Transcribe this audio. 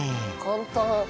簡単。